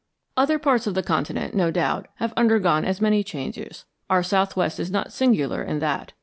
Other parts of the continent, no doubt, have undergone as many changes; our southwest is not singular in that.